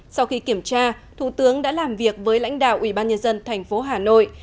sau khi kiểm tra thủ tướng đã làm việc với lãnh đạo ủy ban nhân dân thành phố hà nội